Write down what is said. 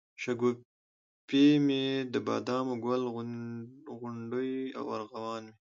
شګوفې مي دبادامو، ګل غونډۍ او ارغوان مي